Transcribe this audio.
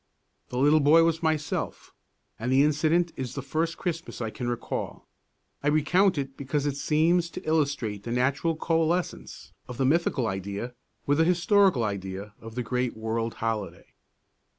The little boy was myself, and the incident is the first Christmas that I can recall. I recount it because it seems to illustrate the natural coalescence of the mythical idea with the historical idea of the great world holiday.